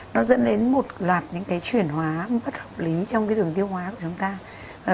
nó dẫn đến một loạt chuyển hóa bất hợp lý trong đường tiêu hóa của chúng ta